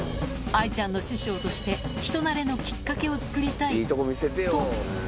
愛ちゃんの師匠として、人なれのきっかけを作りたいと。